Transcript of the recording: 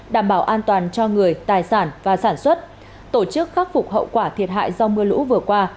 đảm bảo an toàn cho người tài sản và sản xuất tổ chức khắc phục hậu quả thiệt hại do mưa lũ vừa qua